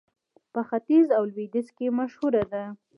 په ختيځ او لوېديځ کې مشهوره ده.